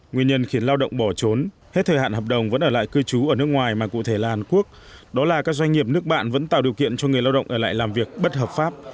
nguyên nhân khiến lao động bỏ trốn hết thời hạn hợp đồng vẫn ở lại cư trú ở nước ngoài mà cụ thể là hàn quốc đó là các doanh nghiệp nước bạn vẫn tạo điều kiện cho người lao động ở lại làm việc bất hợp pháp